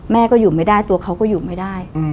แม่ก็อยู่ไม่ได้ตัวเขาก็อยู่ไม่ได้